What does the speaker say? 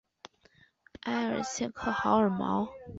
埃尔谢克豪尔毛。